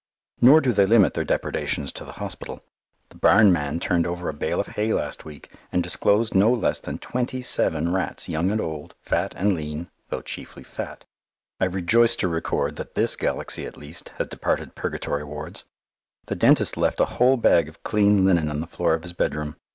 Nor do they limit their depredations to the hospital. The barn man turned over a bale of hay last week and disclosed no less than twenty seven rats young and old, fat and lean, though chiefly fat. I rejoice to record that this galaxy at least has departed Purgatory wards. The dentist left a whole bag of clean linen on the floor of his bedroom.